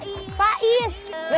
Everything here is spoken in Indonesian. terima kasih mbak